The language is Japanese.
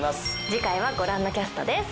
次回はご覧のキャストです。